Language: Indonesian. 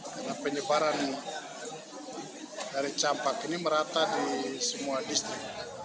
karena penyebaran dari campak ini merata di semua distrik